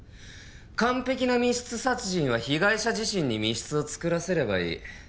完璧な密室殺人は被害者自身に密室を作らせればいい。